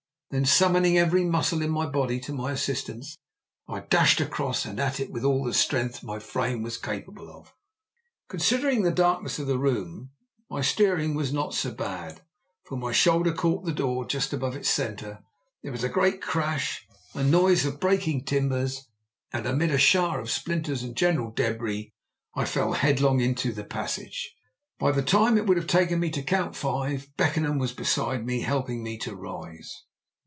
Then summoning every muscle in my body to my assistance, I dashed across and at it with all the strength my frame was capable of. Considering the darkness of the room, my steering was not so bad, for my shoulder caught the door just above its centre; there was a great crash a noise of breaking timbers and amid a shower of splinters and general débris I fell headlong through into the passage. By the time it would have taken me to count five, Beckenham was beside me helping me to rise.